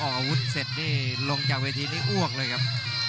อาวุธเสร็จนี่ลงจากเวทีนี้อ้วกเลยครับ